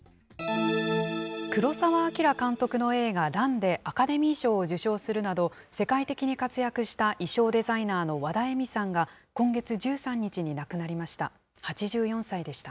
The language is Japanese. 黒澤明監督の映画、乱でアカデミー賞を受賞するなど、世界的に活躍した衣装デザイナーのワダエミさんが、今月１３日に亡くなりました。